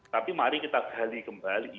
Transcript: tapi mari kita gali kembali